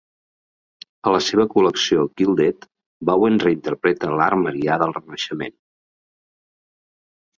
A la seva col·lecció "Gilded", Bowen reinterpreta l"art marià del Renaixement.